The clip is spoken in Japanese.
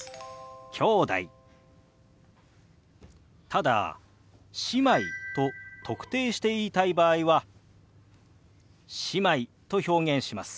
ただ「姉妹」と特定して言いたい場合は「姉妹」と表現します。